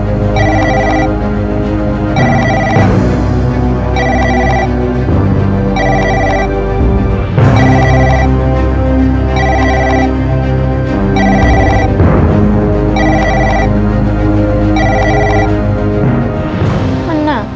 แล้วเมื่อกลางล่างหนีมาชุมยาก